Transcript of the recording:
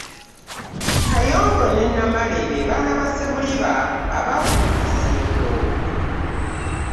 Kayongo ne Namale be baana ba Ssebuliba abaakulira e Ssingo.